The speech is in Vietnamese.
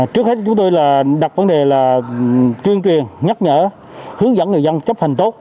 trước hết chúng tôi đặt vấn đề là truyền truyền nhắc nhở hướng dẫn người dân chấp hành tốt